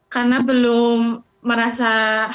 karena belum merasa